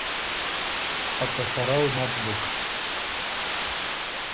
خه ته سرؤ نک بُک۔